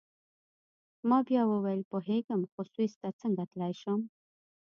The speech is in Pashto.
ما بیا وویل: پوهیږم، خو سویس ته څنګه تلای شم؟